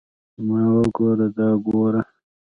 ما وګوره دا وګوره.